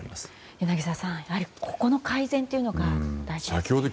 柳澤さん、やはりここの改善というのが大事ですね。